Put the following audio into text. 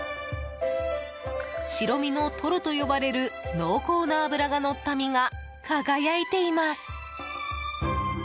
白身のトロと呼ばれる濃厚な脂がのった身が輝いています。